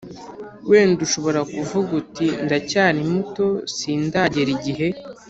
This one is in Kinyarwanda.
Wenda ushobora kuvuga uti ndacyari muto sindagera igihe